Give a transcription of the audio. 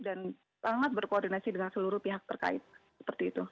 dan sangat berkoordinasi dengan seluruh pihak terkait seperti itu